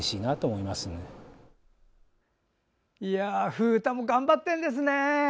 風太も頑張ってるんですね。